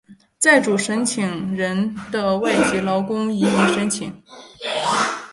在主申请人的外籍劳工移民申请。